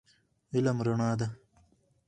علم رڼا ده